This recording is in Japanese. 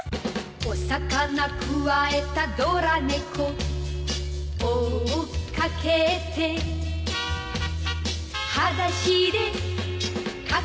「お魚くわえたドラ猫」「追っかけて」「はだしでかけてく」